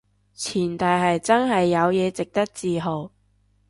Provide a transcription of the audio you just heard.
前提係真係有嘢值得自豪